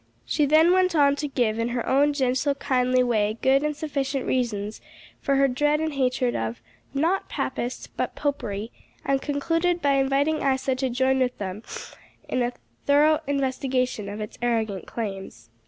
She then went on to give, in her own gentle, kindly way, good and sufficient reasons for her dread and hatred of not Papists but Popery, and concluded by inviting Isa to join with them in a thorough investigation of its arrogant claims.